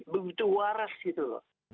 betul waras gitu